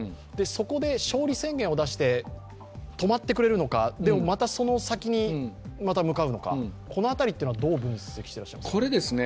そこで勝利宣言を出して止まってくれるのか、またその先に向かうのかこの辺りはどう分析していらっしゃいますか？